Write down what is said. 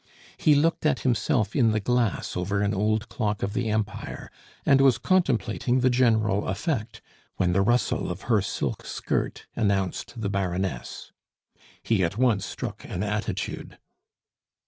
He looked at himself in the glass over an old clock of the Empire, and was contemplating the general effect, when the rustle of her silk skirt announced the Baroness. He at once struck at attitude.